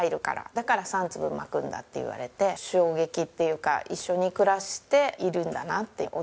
だから３粒まくんだって言われて衝撃っていうか一緒に暮らしているんだなって驚きました。